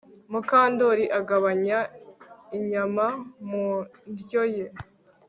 Mukandoli agabanya inyama mu ndyo ye